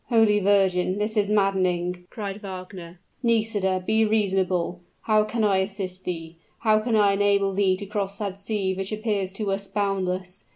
"Holy Virgin! this is maddening!" cried Wagner. "Nisida be reasonable; how can I assist thee? how can I enable thee to cross that sea which appears to us boundless?